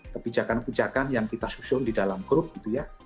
kebijakan kebijakan yang kita susun di dalam grup gitu ya